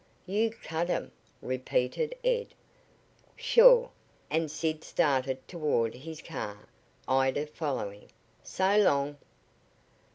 "You cut 'em?" repeated Ed. "Sure," and Sid started toward his car, Ida following. "So long."